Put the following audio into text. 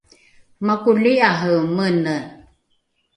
makoli’are mene